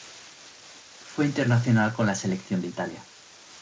Fue internacional con la selección de Italia.